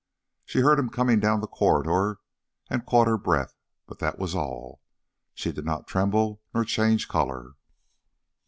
She heard him coming down the corridor and caught her breath, but that was all. She did not tremble nor change colour.